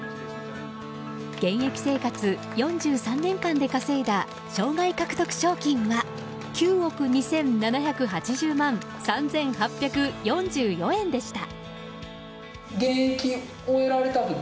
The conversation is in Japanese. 現役生活４３年間で稼いだ生涯獲得賞金は９億２７８０万３８４４円でした。